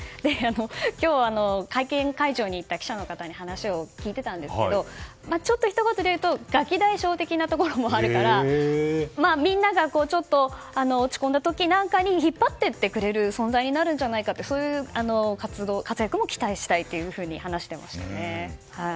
今日、会見会場に行った記者の方に話を聞いてたんですけどちょっとひと言でいうとガキ大将的なところもあるからみんながちょっと落ち込んだ時なんかに引っ張っていってくれる存在になるんじゃないかってそういう活躍も期待したいと話していました。